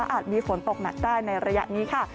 มีฝนตกหนักได้ในระยะนี้ค่ะ